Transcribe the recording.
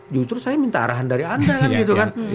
justru saya minta arahan dari anda